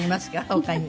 他に。